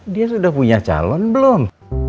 dia sudah punya calon belum